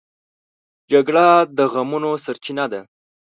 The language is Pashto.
جګړه د غمونو سرچینه ده